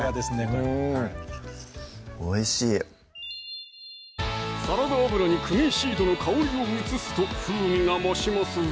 うんおいしいサラダ油にクミンシードの香りを移すと風味が増しますぞ！